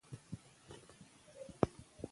هغه د خپلو عسکرو ملاتړ ته اړتیا لري.